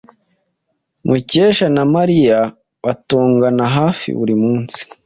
Mukesha na Mariya batongana hafi buri munsi.